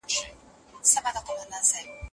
د امریکایي پوهانو ټیم د دې نظریې ملاتړ کوي.